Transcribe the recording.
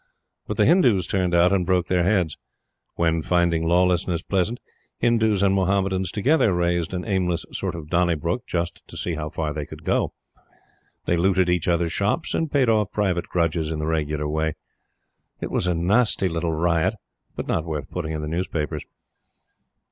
But the Hindus turned out and broke their heads; when, finding lawlessness pleasant, Hindus and Mahomedans together raised an aimless sort of Donnybrook just to see how far they could go. They looted each other's shops, and paid off private grudges in the regular way. It was a nasty little riot, but not worth putting in the newspapers.